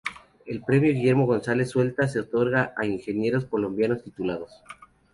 El premio Guillermo González Zuleta se otorga a ingenieros colombianos titulados.